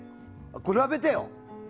比べてよ。